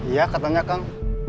ya katanya kang